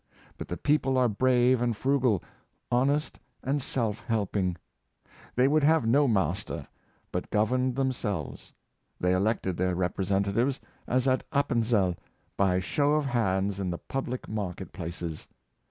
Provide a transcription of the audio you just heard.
But the people are brave and frugal, honest and self helping. They would have no master, but governed themselves. They elected their representatives, as at Apenzell, by show of hands in the public market places.